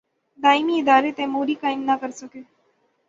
دائمی ادارے تیموری قائم نہ کر سکے۔